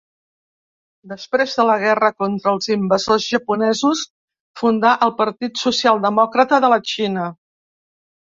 Després de la guerra contra els invasors japonesos fundà el Partit Socialdemòcrata de la Xina.